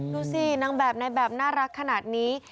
ดูสินางแบบในแบบน่ารักขนาดนี้